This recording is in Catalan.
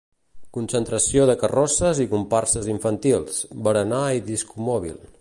Concentració de carrosses i comparses infantils, berenar i discomòbil.